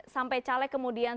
sampai caleg kemudian